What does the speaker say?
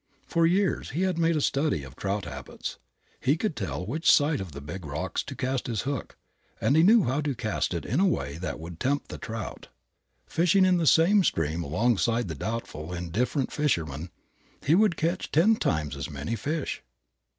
For years he had made a study of trout habits. He could tell which side of the big rocks to cast his hook, and he knew how to cast it in a way that would tempt the trout. Fishing in the same stream alongside the doubtful, indifferent fisherman he would catch ten times as many fish.